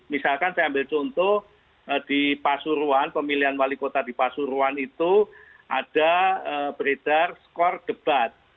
misalkan saya ambil contoh di pasuruan pemilihan wali kota di pasuruan itu ada beredar skor debat